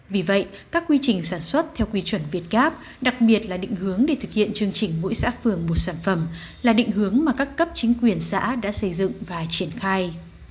vì vậy các quy trình sản xuất theo quy chuẩn việt gáp đặc biệt là định hướng để thực hiện chương trình mỗi xã phường một sản phẩm là định hướng mà các cấp chính quyền xã đã xây dựng và triển khai